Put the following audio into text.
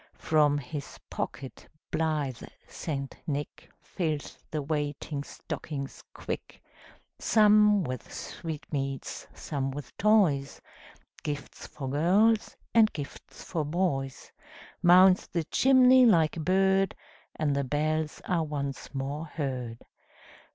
From his pocket blithe St. Nick Fills the waiting stockings quick; Some with sweetmeats, some with toys, Gifts for girls, and gifts for boys, Mounts the chimney like a bird, And the bells are once more heard.